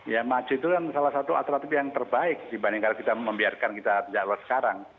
ya maju itu kan salah satu alternatif yang terbaik dibandingkan kita membiarkan kita jauh sekarang